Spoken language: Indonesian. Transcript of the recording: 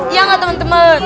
iya nggak temen temen